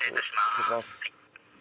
失礼します。